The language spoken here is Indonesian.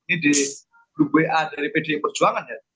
ini di bwa dari pdip perjuangan ya